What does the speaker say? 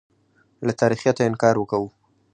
له تاریخیته انکار وکوو.